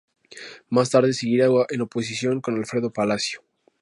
Más tarde seguiría en oposición con Alfredo Palacio.